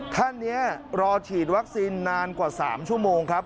ท่านนี้รอฉีดวัคซีนนานกว่า๓ชั่วโมงครับ